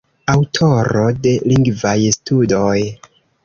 Aŭtoro de lingvaj studoj.